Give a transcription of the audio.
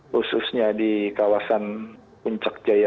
khususnya di kawasan puncak jaya